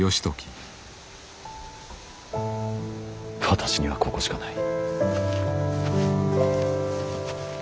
私にはここしかない。